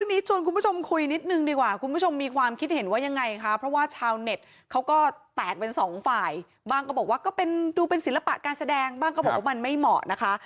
ทีนี้ชวนคุณผู้ชมคุยนิดนึงดีกว่าคุณผู้ชมมีความคิดเห็นว่ายังไงคะเพราะว่าชาวเน็ตเขาก็แตกเป็นสองฝ่ายบ้างก็บอกว่าก็เป็นดูเป็นศิลปะการแสดงบ้างก็บอกว่ามันไม่เหมาะนะคะ